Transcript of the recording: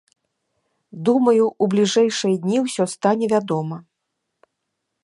Думаю, у бліжэйшыя дні ўсё стане вядома.